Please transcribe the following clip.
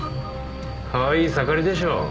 かわいい盛りでしょう？